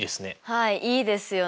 はいいいですよね。